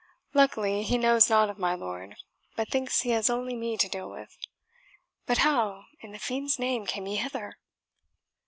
Luckily he knows nought of my lord, but thinks he has only me to deal with. But how, in the fiend's name, came he hither?"